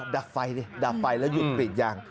ดับไฟดับไฟแล้วหยุดปิดยาง